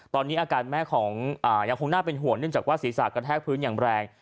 ตอนนี้อาการแม่ของยังคงน่าเป็นห่วงเนื่องจากว่าศีรษะกระแทกพื้นอย่างแรง